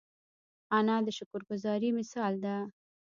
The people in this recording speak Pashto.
انا د شکر ګذاري مثال ده